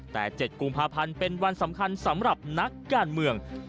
แต่๗กุมภาพันธ์เป็นวันสำคัญสำหรับนักการเมือง